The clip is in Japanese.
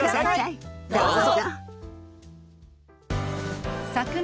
どうぞ！